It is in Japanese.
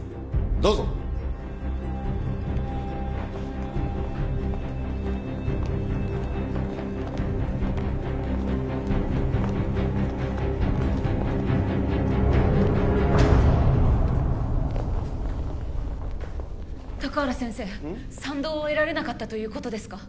どうぞ高原先生賛同を得られなかったということですか？